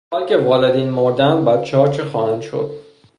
حال که والدین مردهاند بچهها چه خواهند شد؟